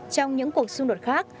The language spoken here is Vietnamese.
trong những cuộc xung đột khác